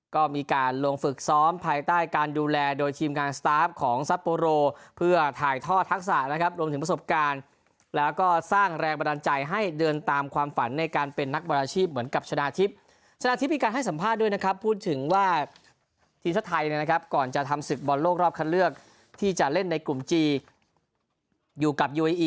ก็มีการลงฝึกซ้อมภายใต้การดูแลโดยทีมการสตาฟของซัปโปโปโลเพื่อถ่ายทอดทักษะนะครับลงถึงประสบการณ์แล้วก็สร้างแรงบันดาลใจให้เดินตามความฝันในการเป็นนักบันดาลชีพเหมือนกับชนาชิพชนาชิพมีการให้สัมภาษณ์ด้วยนะครับพูดถึงว่าทีมชาติไทยนะครับก่อนจะทำศึกบอลโลกรอบค